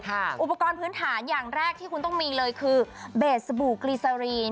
อุปกรณ์พื้นฐานอย่างแรกที่คุณต้องมีเลยคือเบสสบู่กรีซารีน